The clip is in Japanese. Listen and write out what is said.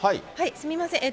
すみません。